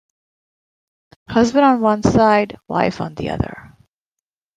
Husband on one side, wife on the other.